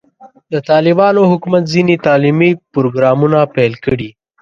د طالبانو حکومت ځینې تعلیمي پروګرامونه پیل کړي.